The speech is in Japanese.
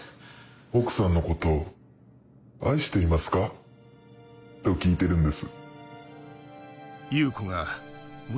「奥さんのことを愛していますか？」と聞いてるんです。